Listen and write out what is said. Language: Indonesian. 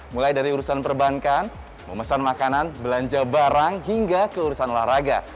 mulai dari urusan perbankan memesan makanan belanja barang hingga keurusan olahraga